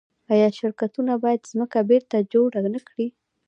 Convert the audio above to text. آیا شرکتونه باید ځمکه بیرته جوړه نکړي؟